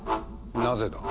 なぜだ？